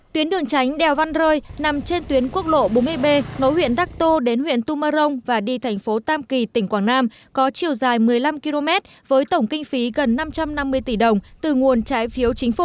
tuyến đường tránh đèo văn rơi nằm trên tuyến quốc lộ bốn mươi b nối huyện đắc tô đến huyện tum mơ rông và đi thành phố tam kỳ tỉnh quảng nam có chiều dài một mươi năm km với tổng kinh phí gần năm trăm năm mươi tỷ đồng từ nguồn trái phiếu chính phủ